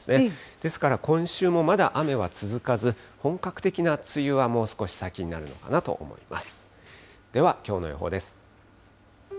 ですから今週もまだ、雨は続かず、本格的な梅雨は、もう少し先になるのかなと思います。